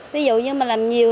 ví dụ như mình làm nhiều